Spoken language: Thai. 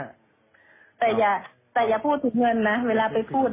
แต่อย่าแต่อย่าพูดถึงเงินนะเวลาไปพูด